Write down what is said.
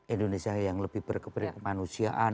indonesia yang lebih berkembang kemanusiaan